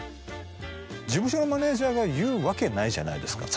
事務所のマネジャーが言うわけないじゃないですか。